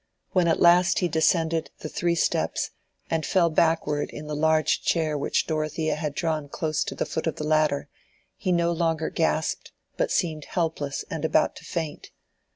When at last he descended the three steps and fell backward in the large chair which Dorothea had drawn close to the foot of the ladder, he no longer gasped but seemed helpless and about to faint.